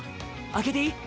開けていい？